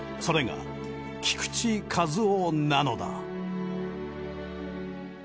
それが菊池一夫なのだ。